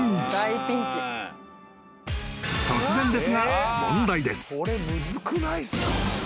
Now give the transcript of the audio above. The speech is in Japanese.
［突然ですが問題です］